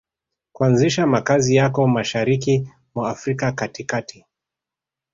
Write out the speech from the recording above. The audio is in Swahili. kuanzisha makazi yako Mashariki mwa Afrika katikati